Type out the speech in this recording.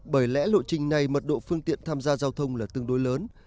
bởi lẽ lộ trình này mật độ phương tiện tham gia giao thông là tương đối lớn